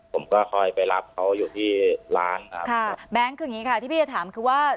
ผมก็คอยไปรับเขาอยู่ที่ร้านครับค่ะแบงค์คืออย่างงี้ค่ะที่พี่จะถามคือว่า